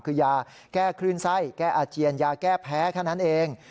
คือยาแก้คลื่นไส้แก้อาเจียนยาแก้แพ้แค่นั้นเอง